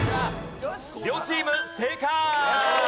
両チーム正解！